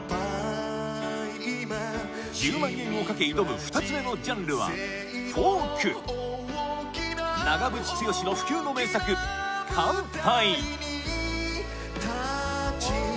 １０万円を懸け挑む２つ目のジャンルはフォーク長渕剛の不朽の名作『乾杯』